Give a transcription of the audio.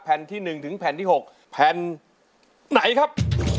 แผ่นที่หนึ่งถึงแผ่นที่หกแผ่นไหนครับ